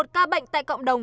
một ca bệnh tại cộng đồng